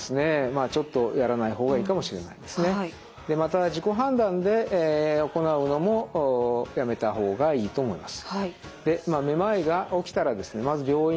また自己判断で行うのもやめた方がいいと思います。